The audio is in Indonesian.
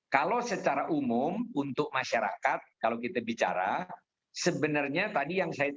kalau secara umum untuk masyarakat kalau kita bicara sebenarnya tadi yang saya tahu